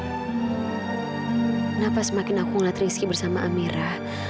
kenapa semakin aku ngeliat rizky bersama amera